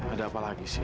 ada apa lagi sih